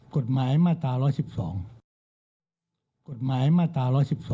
กฎหมายมาตรา๑๑๒